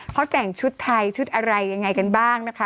เขาแต่งชุดไทยชุดอะไรยังไงกันบ้างนะคะ